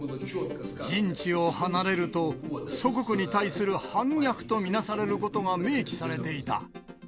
陣地を離れると、祖国に対する反逆と見なされることが明記されていた。